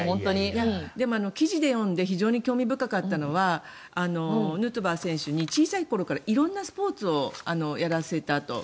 でも記事で読んで非常に興味深かったのはヌートバー選手に小さい頃から色んなスポーツをやらせたと。